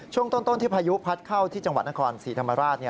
ช่วงต้นที่พายุพัดเข้าที่จังหวัดนครศรีธรรมราช